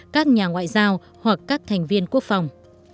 các nhà ngoại giao hoặc các thành viên quốc phòng